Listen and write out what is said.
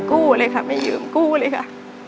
กู้เลยค่ะไม่ยืมกู้เลยค่ะ